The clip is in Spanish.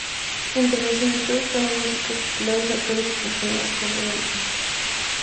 Entre los invitados están los músicos populares, actores y compañeros comediantes.